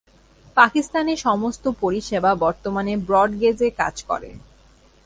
পাকিস্তানে সমস্ত পরিষেবা বর্তমানে ব্রড গেজে কাজ করে।